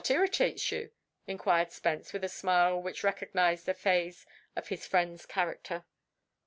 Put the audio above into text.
"What irritates you?" inquired Spence, with a smile which recognized a phase of his friend's character.